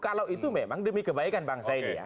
kalau itu memang demi kebaikan bangsa ini ya